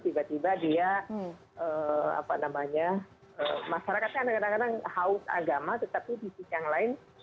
tiba tiba dia apa namanya masyarakat kan kadang kadang haus agama tetapi di sisi yang lain